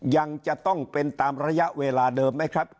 ยังจะต้องเป็นตามระยะเวลาเดิมไหมครับ